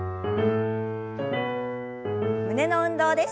胸の運動です。